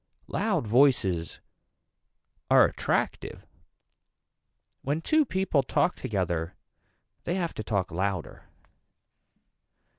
Loud voices are attractive. When two people talk together they have to talk louder.